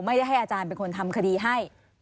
ให้อาจารย์เป็นคนทำคดีให้